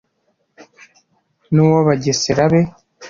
n 'uw abagesera be